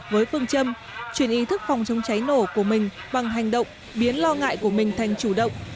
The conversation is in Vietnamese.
với phương châm chuyển ý thức phòng chống cháy nổ của mình bằng hành động biến lo ngại của mình thành chủ động